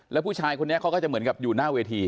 แล้วผู้ชายคนนี้เขาก็จะเหมือนกับอยู่หน้าเวที